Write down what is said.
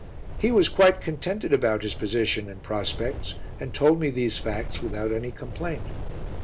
He was quite contented about his position and prospects and told me these facts without any complaint.